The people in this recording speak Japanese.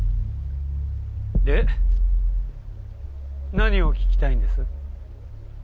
何を聞きたいんです？